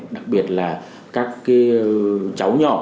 đặc biệt là các cái cháu nhỏ